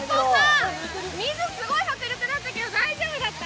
水、すごい迫力だったけど、大丈夫だった？